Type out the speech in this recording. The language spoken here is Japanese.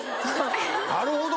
なるほど！